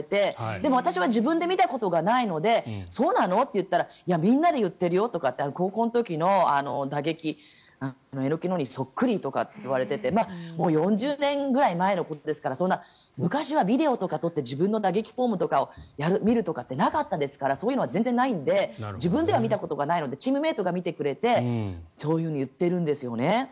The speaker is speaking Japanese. でも私は自分で見たことがないのでそうなの？と言ったらみんなが言ってるよって高校の時の打撃エノキのにそっくりとか言われててもう４０年ぐらい前のことですから昔はビデオとかを撮って自分の打撃フォームとかを見るとかってなかったですからそういうのは全然ないので自分では見たことないのでチームメートが見てくれてそういうふうに言ってるんですよね。